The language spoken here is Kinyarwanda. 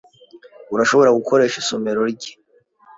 Urashobora gukoresha isomero rye.